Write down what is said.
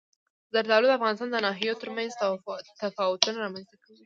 زردالو د افغانستان د ناحیو ترمنځ تفاوتونه رامنځ ته کوي.